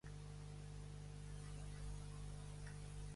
Coffin, el director de la escuela, Sra.